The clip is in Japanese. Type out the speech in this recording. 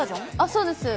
そうです。